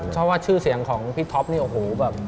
เพราะว่าชื่อเสียงของพี่ท็อปนี่โอ้โหแบบ